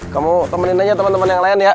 kamu temenin aja temen temen yang lain ya